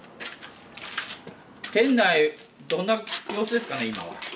店内、どんな様子ですかね、今は。